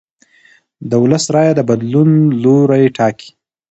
د ولس رایه د بدلون لوری ټاکي